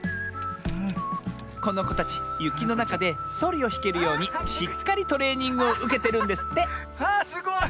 このこたちゆきのなかでそりをひけるようにしっかりトレーニングをうけてるんですってあすごい！